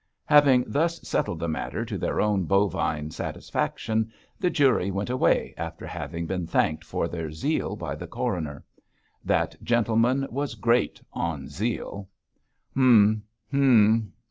Having thus settled the matter to their own bovine satisfaction, the jury went away after having been thanked for their zeal by the coroner. That gentleman was great on zeal. 'Hum! Hum!